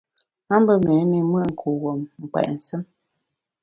A mbe méé te mùt kuwuom, m’ nkpèt nsùm.